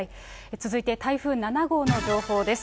続いて台風７号の情報です。